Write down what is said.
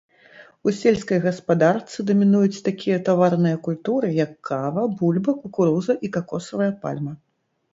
У сельскай гаспадарцы дамінуюць такія таварныя культуры, як кава, бульба, кукуруза і какосавая пальма.